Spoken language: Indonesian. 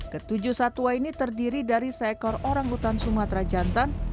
ketujuh satwa ini terdiri dari seekor orang utan sumatera jantan